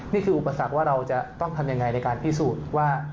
อุปสรรคว่าเราจะต้องทำยังไงในการพิสูจน์ว่า